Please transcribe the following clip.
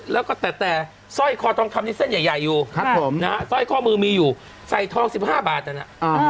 แล้วก็แต่ซ่อยคอทองคำนิดเส้นใหญ่อยู่ซ่อยข้อมือมีอยู่ใส่ทอง๑๕บาทนั่นน่ะ